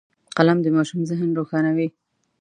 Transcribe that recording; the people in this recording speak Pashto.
قلم د ماشوم ذهن روښانوي